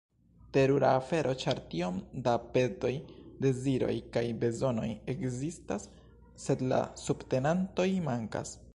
Terura afero, ĉar tiom da petoj, deziroj kaj bezonoj ekzistas, sed la subtenantoj mankas.